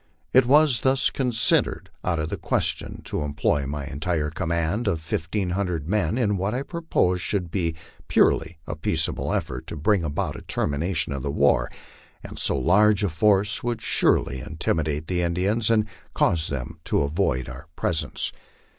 It was thus considered out of the question to employ my entire command of fifteen hundred men in what I proposed should be purely a peaceful effort to bring about a termination of the war, as so large a force would surely intimidate the Indians, and cause them to avoid our presence.